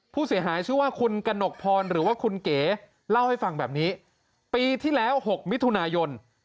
ผู้เสียหายชื่อว่าคุณกระหนกพรหรือว่าคุณเก๋เล่าให้ฟังแบบนี้ปีที่แล้ว๖มิถุนายน